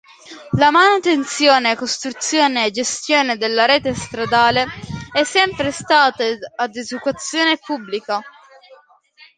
La manutenzione, costruzione e gestione della rete stradale è sempre stata ad esecuzione pubblica.